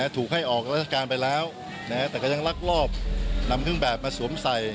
ถูกให้ออกราชการไปแล้วแต่ก็ยังลักลอบนำเครื่องแบบมาสวมใส่